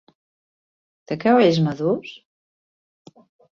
Té cabells madurs?